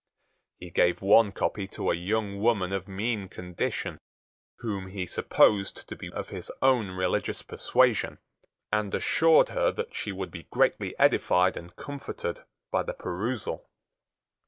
He gave one copy to a young woman of mean condition whom he supposed to be of his own religious persuasion, and assured her that she would be greatly edified and comforted by the perusal.